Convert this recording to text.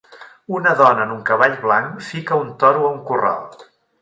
Una dona en un cavall blanc fica a un toro a un corral.